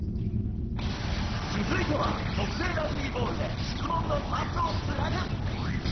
続いては、特製ラグビーボールで質問のパスをつなぐ。